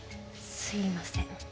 すみません。